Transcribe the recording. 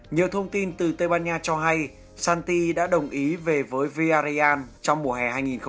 nhiều thông tin từ tây ban nha cho hay santi đã đồng ý về với villarreal trong mùa hè hai nghìn một mươi tám